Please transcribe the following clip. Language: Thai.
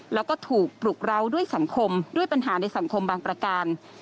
แล้วก็ถูกปลุกร้าวด้วยสังคมด้วยปัญหาในสังคมบางประการ